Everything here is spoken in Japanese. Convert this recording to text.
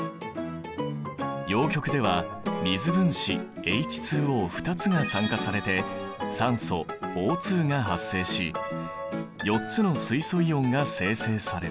陽極では水分子ＨＯ２つが酸化されて酸素Ｏが発生し４つの水素イオンが生成される。